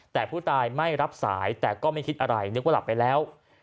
แต่ผู้ตายไม่รับสายแต่ก็ไม่คิดอะไรนึกว่าหลับไปแล้ว